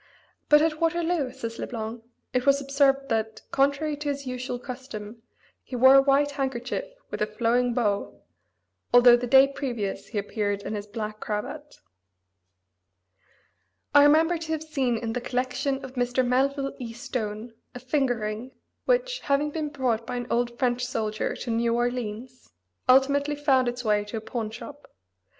"But at Waterloo," says Le Blanc, "it was observed that, contrary to his usual custom, he wore a white handkerchief with a flowing bow, although the day previous he appeared in his black cravat." I remember to have seen in the collection of Mr. Melville E. Stone a finger ring, which, having been brought by an old French soldier to New Orleans, ultimately found its way to a pawn shop.